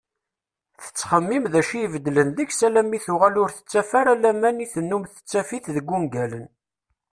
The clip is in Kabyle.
Tettxemmim d acu i ibeddlen deg-s alammi tuɣal ur tettaf ara laman i tennum tettaf-it deg ungalen.